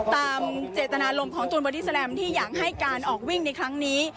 ตามเจตนารมณ์ของตูนบอดี้แลมที่อยากให้การออกวิ่งในครั้งนี้